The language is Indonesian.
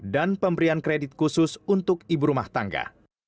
dan pemberian kredit khusus untuk ibu rumah tangga